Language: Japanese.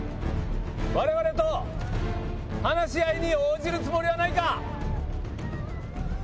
我々と話し合いに応じるつもりはないか？